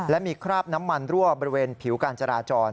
และมีคราบน้ำมันรั่วบริเวณผิวการจราจร